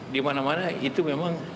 di mana mana itu memang